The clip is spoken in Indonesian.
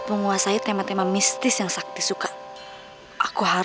kok lo tumben sih